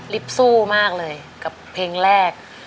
สู้มากเลยกับเพลงแรก